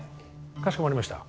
かしこまりました。